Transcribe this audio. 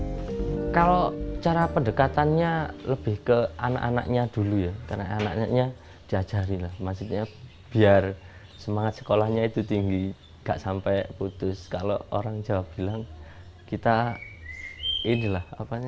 hai kalau cara pendekatannya lebih ke anak anaknya dulu ya karena anaknya diajari lah maksudnya biar semangat sekolahnya itu tinggi gak sampai putus kalau orang jawa bilang kita ini lah apanya